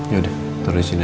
yaudah taruh di sini aja